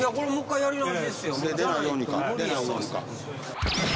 出ないようにか。